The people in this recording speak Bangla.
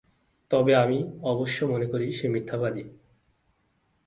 তবে আমি অবশ্য মনে করি সে মিথ্যাবাদী।